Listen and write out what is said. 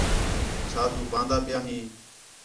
چَھا تُو ہان٘دا پیاں ہیں